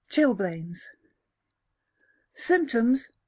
Chilblains. Symptoms.